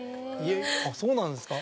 そうなんですか？